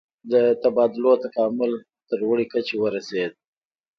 د تبادلو تکامل تر لوړې کچې ورسید.